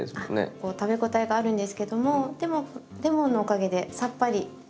こう食べ応えがあるんですけどもでもレモンのおかげでさっぱりしていて。